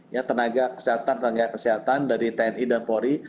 ya tenaga kesehatan dari tni dan polri